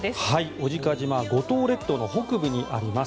小値賀島は五島列島の北部にあります。